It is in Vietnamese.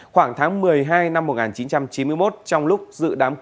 khoảng tháng một mươi hai năm một nghìn chín trăm chín mươi một trong lúc dự đám cưới